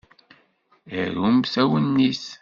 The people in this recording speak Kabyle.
Arumt awennit.